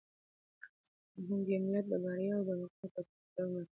فرهنګ د یو ملت د بریا او د وقار تر ټولو پیاوړی ملاتړی دی.